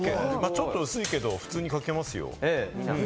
ちょっと薄いけど、普通に書けますよ。